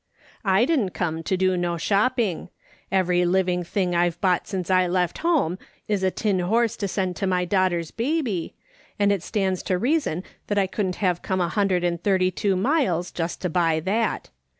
I didn't come to do no shopping. Every living thing I've bought since I left home is a tin horse to send to my daughter's baby, and it IVHA T SOL OMON LEARNED. 4» stands to reason that I wouldn't have come a hundred and thirty two miles just to buy that.